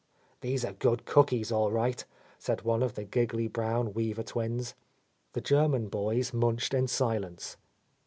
"These are good cookies, all right," said one of the giggly brown Weaver twins. The Ger man boys munched in silence.